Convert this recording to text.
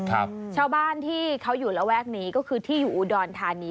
ชาวบ้านที่เขาอยู่ระแวกนี้ก็คือที่อยู่อุดรธานี